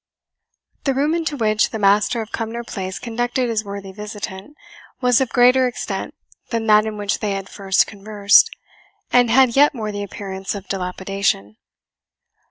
The room into which the Master of Cumnor Place conducted his worthy visitant was of greater extent than that in which they had at first conversed, and had yet more the appearance of dilapidation.